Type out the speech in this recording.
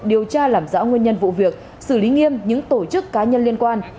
điều tra làm rõ nguyên nhân vụ việc xử lý nghiêm những tổ chức cá nhân liên quan